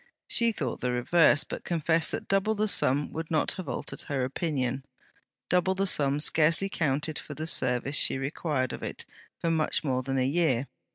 She thought the reverse, but confessed that double the sum would not have altered her opinion. Double the sum scarcely counted for the service she required of it for much more than a year.